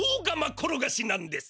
ころがしなんです。